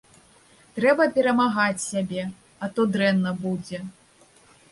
Трэба перамагаць сябе, а то дрэнна будзе.